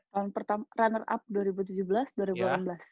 tahun pertama runner up dua ribu tujuh belas